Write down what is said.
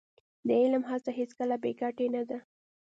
د علم هڅه هېڅکله بې ګټې نه ده.